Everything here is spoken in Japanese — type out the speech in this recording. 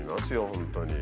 本当に。